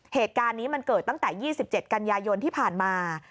เหตุการณ์นี้มันเกิดตั้งแต่๒๗กันยายนที่ผ่านมา